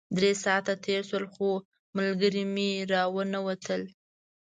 درې ساعته تېر شول خو ملګري مې راونه وتل.